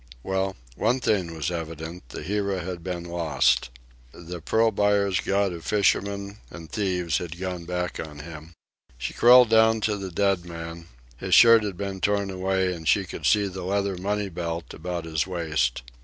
Well, one thing was evident: The Hira had been lost. The pearl buyer's god of fishermen and thieves had gone back on him. She crawled down to the dead man. His shirt had been torn away, and she could see the leather money belt about his waist.